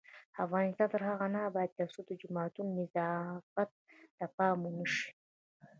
افغانستان تر هغو نه ابادیږي، ترڅو د جوماتونو نظافت ته پام ونشي.